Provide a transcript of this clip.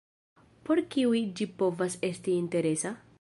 Por kiuj ĝi povas esti interesa?